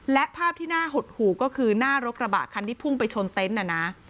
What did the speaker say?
และภาพที่น่าหดหูก็คือหน้ารถกระบะคันที่พุ่งไปชนเต็นต์น่ะนะ